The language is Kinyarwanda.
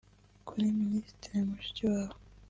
Kuri Minisitiri Mushikiwabo